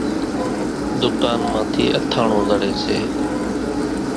ۮُڪانَ مان ٿِي اٿاڻون زڙيَ سي۔